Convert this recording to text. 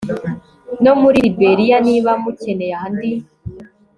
no muri liberiya. niba mukeneye andi